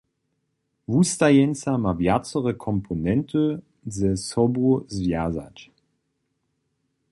Wustajeńca ma wjacore komponenty ze sobu zwjazać.